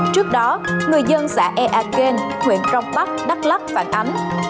trước đó người dân xã eakeng huyện trong bắc đắk lắk phản ánh